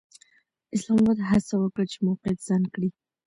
اسلام اباد هڅه وکړه چې موقعیت ځان کړي.